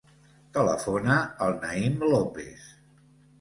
Telefona al Naïm Lopes.